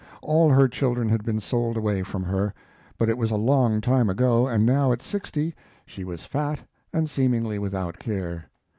All her children had been sold away from her, but it was a long time ago, and now at sixty she was fat and seemingly without care.